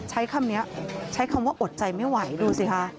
ใช้คำนี้ใช้คำว่าอดใจไม่ไหวดูสิคะ